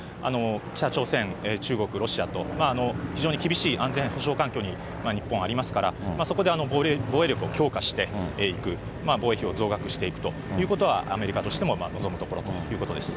北朝鮮、中国、ロシアと非常に厳しい安全保障環境に日本、ありますから、そこで防衛力を強化していく、防衛費を増額していくということは、アメリカとしても望むところということです。